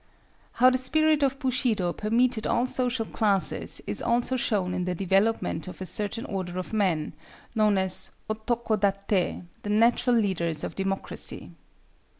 How the spirit of Bushido permeated all social classes is also shown in the development of a certain order of men, known as otoko daté, the natural leaders of democracy.